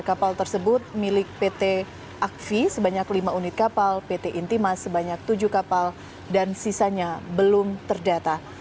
kapal tersebut milik pt akfi sebanyak lima unit kapal pt intimas sebanyak tujuh kapal dan sisanya belum terdata